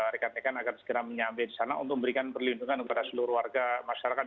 rekan rekan agar segera menyambit di sana untuk memberikan perlindungan kepada seluruh warga masyarakat